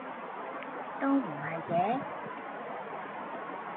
都唔係嘅